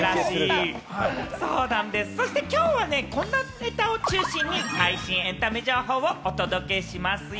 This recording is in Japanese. きょうは、こんなネタを中心に最新エンタメ情報をお届けしますよ。